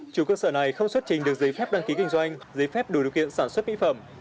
chủ cơ sở này không xuất trình được giấy phép đăng ký kinh doanh giấy phép đủ điều kiện sản xuất mỹ phẩm